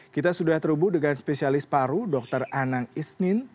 kita sudah terhubung dengan spesialis paru dr anang isnin